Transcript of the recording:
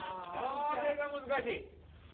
これが難しい！